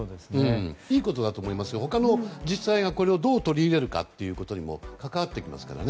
いいことだと思いますが他の自治体がこれをどう取り入れるかということにも関わってきますからね。